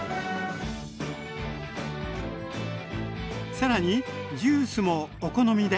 更にジュースもお好みで。